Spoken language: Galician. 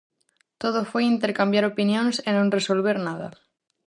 Todo foi intercambiar opinións e non resolver nada.